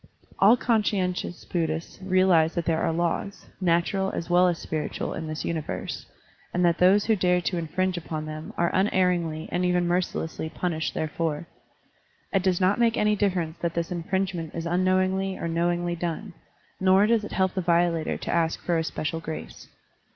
All conscientious Buddhists realize that there are laws, natural as well as spiritual, in this universe, and that those who dare to infringe upon them are unerringly and even mercilessly punished therefor. It does not make any differ ence that this infringement is unknowingly or knowingly done, nor does it help the violator to ask for a special grace.